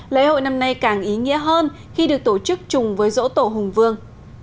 lễ hội năm nay càng ý nghĩa hơn khi được tổ chức chùng với dỗ tổ hùng vương